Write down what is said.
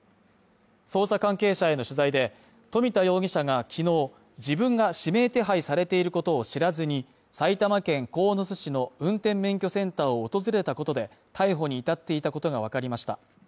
捜査関係者への取材で富田容疑者が昨日自分が指名手配されていることを知らずに、埼玉県鴻巣市の運転免許センターを訪れたことで逮捕に至っていたことがわかりました。